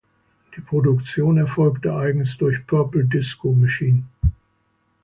Die Produktion erfolgte eigens durch Purple Disco Machine.